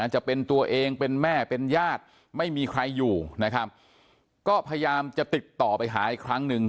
จะเป็นตัวเองเป็นแม่เป็นญาติไม่มีใครอยู่นะครับก็พยายามจะติดต่อไปหาอีกครั้งหนึ่ง